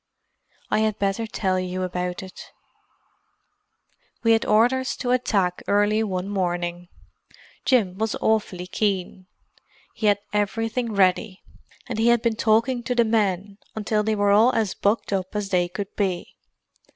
"I had better tell you about it. "We had orders to attack early one morning. Jim was awfully keen; he had everything ready, and he had been talking to the men until they were all as bucked up as they could be.